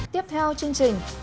tiếp theo chương trình